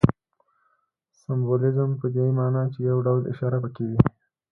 سمبولیزم په دې ماناچي یو ډول اشاره پکښې وي.